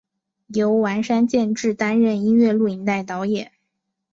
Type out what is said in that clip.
由丸山健志担任音乐录影带导演。